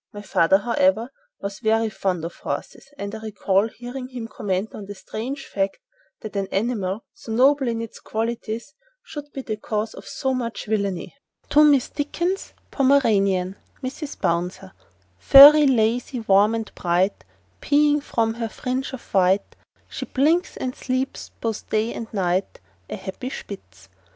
My father, however, was very fond of horses, and I recall hearing him comment on the strange fact that an animal "so noble in its qualities should be the cause of so much villainy." [Picture: To Miss Dickens' Pomeranian "Mrs. Bouncer"] To Miss Dickens' Pomeranian. "MRS. BOUNCER." Furry, lazy, warm and bright, Peeing from her fringe of white, She blinks and sleeps both day and night, A happy Spitz!